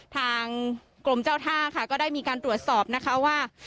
ทางกรมเจ้าท่าค่ะก็ได้มีการตรวจสอบนะคะว่า